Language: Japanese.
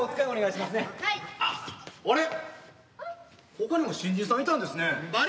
ほかにも新人さんいたんですね。